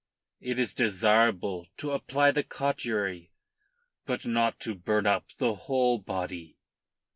It is desirable to apply the cautery, but not to burn up the whole body."